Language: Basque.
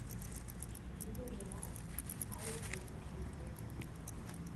Ito behar hau jolasa balitz bezala.